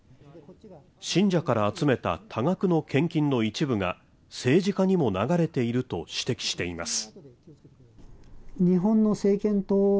信者から集めた多額の献金の一部が政治家にも流れていると指摘しています。